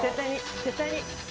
絶対に。